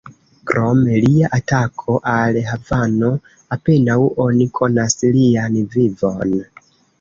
Krom lia atako al Havano, apenaŭ oni konas lian vivon.